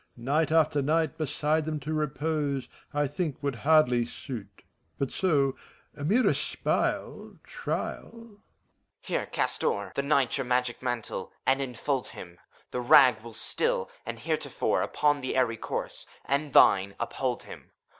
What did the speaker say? Night after night beside them to repose, I think would hardly suit : but so, A mere espial, trial,— HOMUNCULUS. Here! cast o'er The knight your magic mantle, and infold him I The rag will still, as heretofore, Upon his airy course — and thine — ^uphold him.